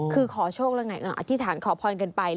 คือขอโชคแล้วไงก็อธิษฐานขอพรกันไป